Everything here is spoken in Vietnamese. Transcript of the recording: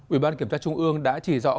ủy ban kiểm tra trung ương đã chỉ dọa